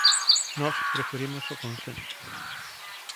Nós preferimos o consenso.